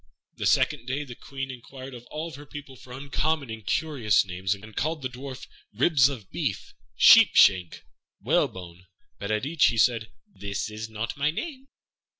The second day the Queen inquired of all her people for uncommon and curious names, and called the Dwarf "Ribs of Beef," "Sheep shank," "Whalebone," but at each he said, "This is not my name."